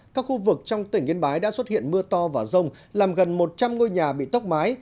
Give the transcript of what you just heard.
các khu vực trong tỉnh yên bái đã xuất hiện mưa to và rông làm gần một trăm linh ngôi nhà bị tốc mái